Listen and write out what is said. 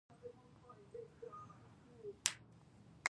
د پلانک اوږدوالی تر ټولو کوچنۍ فاصلې ده.